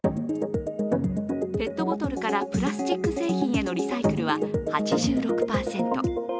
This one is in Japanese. ペットボトルからプラスチック製品へのリサイクルは８６％。